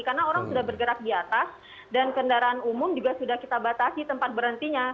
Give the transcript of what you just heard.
karena orang sudah bergerak di atas dan kendaraan umum juga sudah kita batasi tempat berhentinya